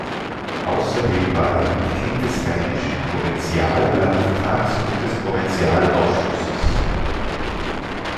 Außerdem war er Mitglied des rheinischen Provinziallandtags und des Provinzialausschusses.